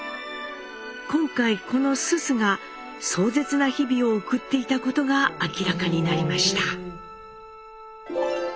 今回この蘇蘇が壮絶な日々を送っていたことが明らかになりました。